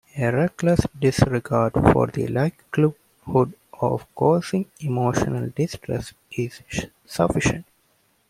A reckless disregard for the likelihood of causing emotional distress is sufficient.